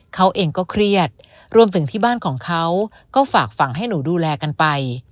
เขาเองก็เครียดรวมถึงที่บ้านของเขาก็ฝากฝั่งให้หนูดูแลกันไป